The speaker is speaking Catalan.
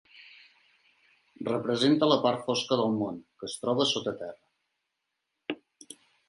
Representa la part fosca del món, que es troba sota terra.